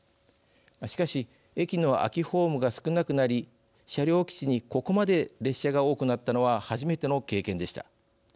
しかし駅の空きホームが少なくなり車両基地にここまで列車が多くなったのは初めての経験でした。